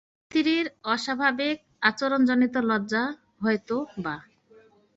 স্ত্রীর অস্বাভাবিক আচরণজনিত লজ্জা হয়তো-বা।